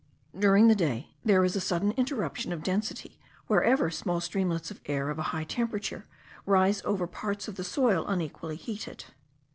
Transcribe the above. During the day there is a sudden interruption of density wherever small streamlets of air of a high temperature rise over parts of the soil unequally heated.